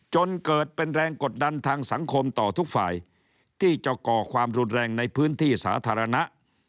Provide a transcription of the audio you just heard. จนเกิดเป็นแรงกดดันทางสังคมต่อทุกฝ่ายที่จะก่อความรุนแรงในพื้นที่สาธารณะ